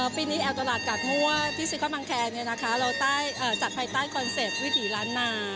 ปีนี้แอลตลาดกาดมั่วที่ซิคอนมังแคร์เราจัดภายใต้คอนเซ็ปต์วิถีล้านนา